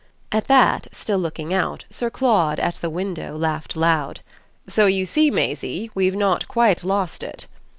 At that, still looking out, Sir Claude, at the window, laughed loud. "So you see, Maisie, we've not quite lost it!"